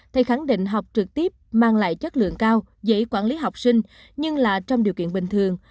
thầy khẳng định học trực tiếp mang lại chất lượng cao dễ quản lý học sinh nhưng là trong điều kiện bình thường